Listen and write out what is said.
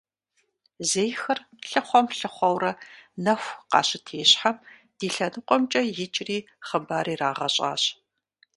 Зейхэр лъыхъуэм-лъыхъуэурэ нэху къащытещхьэм, ди лъэныкъуэмкӀэ икӀри хъыбар ирагъэщӀащ.